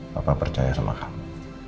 papa percaya sama kamu